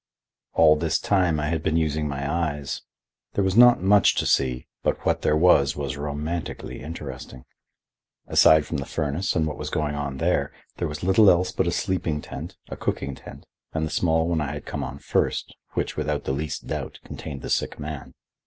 All this time I had been using my eyes. There was not much to see, but what there was was romantically interesting. Aside from the furnace and what was going on there, there was little else but a sleeping tent, a cooking tent, and the small one I had come on first, which, without the least doubt, contained the sick man.